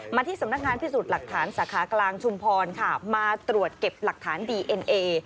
ที่สำนักงานพิสูจน์หลักฐานสาขากลางชุมพรค่ะมาตรวจเก็บหลักฐานดีเอ็นเอ